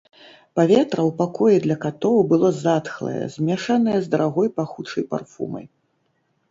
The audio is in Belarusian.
Паветра ў пакоі для катоў было затхлае, змяшанае з дарагой пахучай парфумай.